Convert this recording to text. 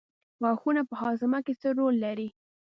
غاښونه په هاضمه کې څه رول لري